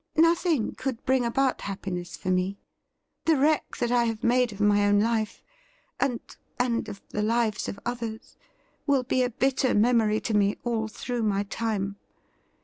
'Nothing could bring about happiness for me. The wreck that I have made of my own life — and — and of the lives of others, will be a bitter memory to me all through my time.